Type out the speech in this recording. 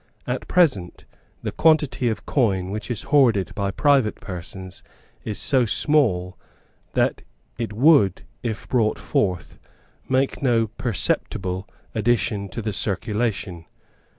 At present the quantity of coin which is hoarded by private persons is so small that it would, if brought forth, make no perceptible addition to the circulation.